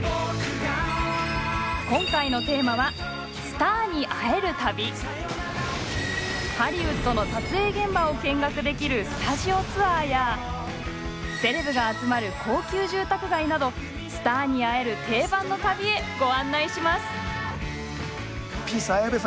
今回のテーマはハリウッドの撮影現場を見学できるスタジオツアーやセレブが集まる高級住宅街などスターに会える定番の旅へご案内します。